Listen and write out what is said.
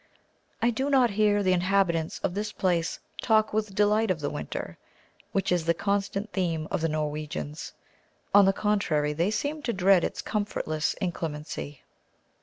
I do not hear the inhabitants of this place talk with delight of the winter, which is the constant theme of the Norwegians; on the contrary, they seem to dread its comfortless inclemency.